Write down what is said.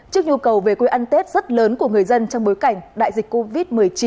trước nhu cầu về quê ăn tết rất lớn của người dân trong bối cảnh đại dịch covid một mươi chín